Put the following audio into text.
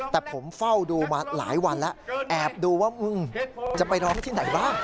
แต่ผมเฝ้าดูมาหลายวันแล้วแอบดูว่ามึงจะไปร้องที่ไหนบ้าง